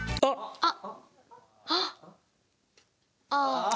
あっ。